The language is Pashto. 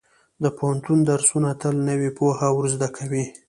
د پوهنتون درسونه تل نوې پوهه ورزده کوي.